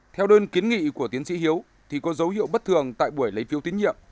theo đơn kiến nghị của tiến sĩ hiếu thì có dấu hiệu bất thường tại buổi lấy phiếu tín nhiệm